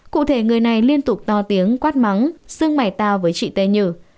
cụ thể người này liên tục to tiếng quát mắng xưng mày tao với chị tên như